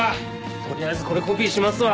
取りあえずこれコピーしますわ。